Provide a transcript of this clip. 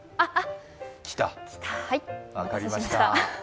分かりました。